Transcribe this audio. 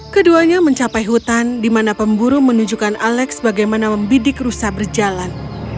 keduanya mencapai hutan di mana pemburu menunjukkan alex bagaimana membidik rusa berjalan